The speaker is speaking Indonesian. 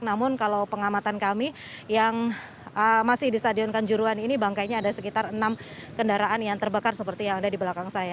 namun kalau pengamatan kami yang masih di stadion kanjuruan ini bangkainya ada sekitar enam kendaraan yang terbakar seperti yang ada di belakang saya